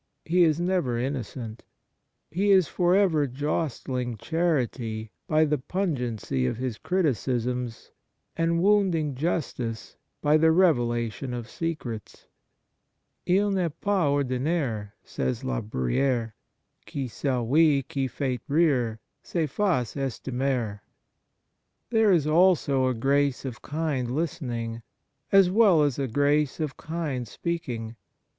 He is never innocent. He is for ever jostling charity by the pungency of his criticisms, and wounding justice by the revelation of secrets. ' II n'est pas ordinaire,' says La Kind Words 79 Briiyere, ' qui celui qui fait rire, se fasse estimer.' There is also a grace of kind listening, as well as a grace of kind speaking.